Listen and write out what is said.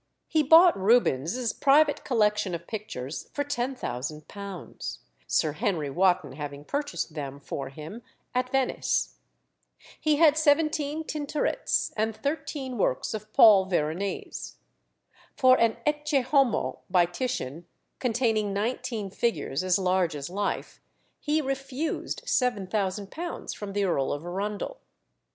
He bought Rubens's private collection of pictures for £10,000, Sir Henry Wotten having purchased them for him at Venice. He had seventeen Tintorets, and thirteen works of Paul Veronese. For an "Ecce Homo" by Titian, containing nineteen figures as large as life, he refused £7000 from the Earl of Arundel.